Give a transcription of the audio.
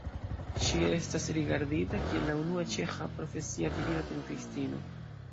Ŝi estas rigardita kiel la unua ĉeĥa profesia virino pentristino.